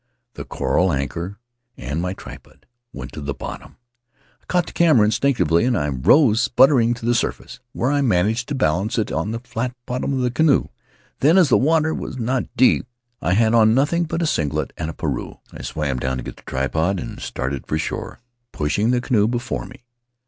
The coral anchor and my tripod went to the bottom; I caught the camera instinctively and rose, sputtering, to the surface, where I managed to balance it on the flat bottom of the canoe. Then, as the water was not deep, and I had on nothing but a singlet and a pareu, I swam down to get the tripod, and started for shore, pushing the canoe before me.